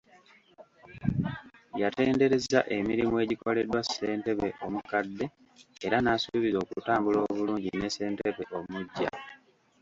Yatenderezza emirimu egikoleddwa ssentebe omukadde era n’asuubiza okutambula obulungi ne ssentebe omuggya.